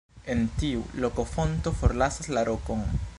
En tiu loko fonto forlasas la rokon.